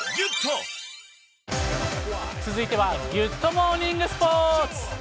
続いてはギュッとモーニングスポーツ。